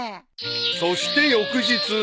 ［そして翌日］